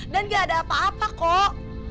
dan gak ada apa apa kok